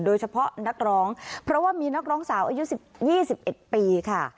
โดยเฉพาะนักร้องเพราะว่ามีนักร้องสาวอายุสิบยี่สิบเอ็ดปีค่ะ